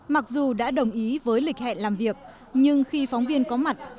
mặc dù đã đồng ý với lịch hẹn làm việc nhưng khi phóng viên có mặt